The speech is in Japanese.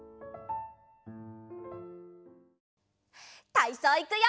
たいそういくよ！